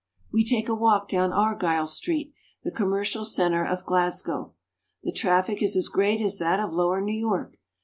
We take a walk down Argyle Street, the com mercial center of Glasgow. The traffic is as great as that of lower New York.